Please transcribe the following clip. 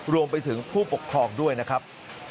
รวมไปถึงผู้ปกครองด้วยนะครับ